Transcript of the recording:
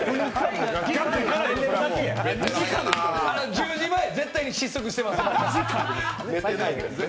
１０時前、絶対に失速してます。